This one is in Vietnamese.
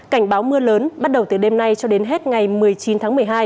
cảnh báo mưa lớn bắt đầu từ đêm nay cho đến hết ngày một mươi chín tháng một mươi hai